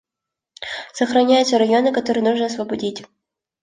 Сохраняются районы, которые нужно освободить.